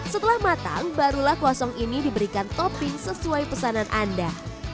setelah matang barulah croissant ini diberikan topping sesuai pesanan anda